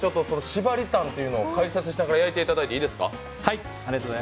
縛りタンというのを解説しながら焼いていただいていいですか？